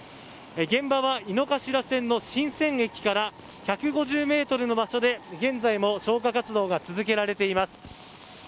現場は井の頭線の神泉駅から１５０ｍの場所で現在も消火活動が続けられています。